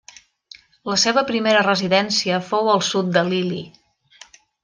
La seva primera residència fou al sud de l'Ili.